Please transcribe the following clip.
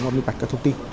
và mưu bạch các thông tin